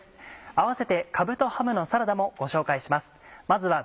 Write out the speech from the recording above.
併せて「かぶとハムのサラダ」もご紹介します。